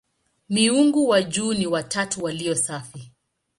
Miungu wa juu ni "watatu walio safi".